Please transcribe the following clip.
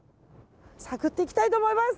探っていきたいと思います。